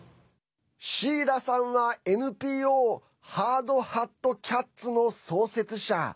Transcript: シーラさんはＮＰＯハードハットキャッツの創設者。